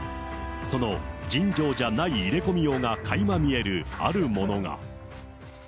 その尋常じゃない入れ込みようがかいま見える、あるものが。